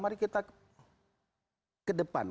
mari kita ke depan